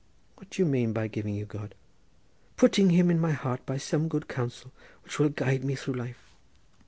"What do you mean by giving you God?" "Putting Him in my heart by some good counsel which will guide me through life."